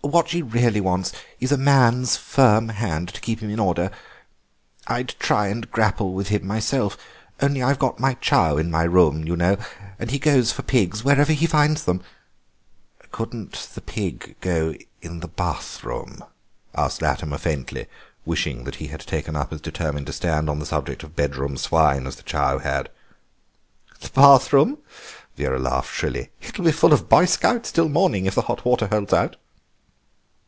What he really wants is a man's firm hand to keep him in order. I'd try and grapple with him myself, only I've got my chow in my room, you know, and he goes for pigs wherever he finds them." "Couldn't the pig go in the bathroom?" asked Latimer faintly, wishing that he had taken up as determined a stand on the subject of bedroom swine as the chow had. "The bathroom?" Vera laughed shrilly. "It'll be full of Boy Scouts till morning if the hot water holds out."